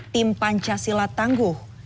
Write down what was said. tim pancasila tangguh